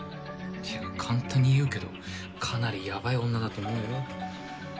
いや簡単に言うけどかなりヤバい女だと思うよ？